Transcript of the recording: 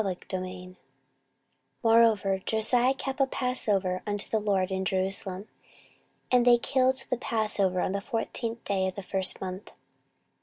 14:035:001 Moreover Josiah kept a passover unto the LORD in Jerusalem: and they killed the passover on the fourteenth day of the first month.